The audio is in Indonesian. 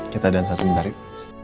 kita dansa sebentar yuk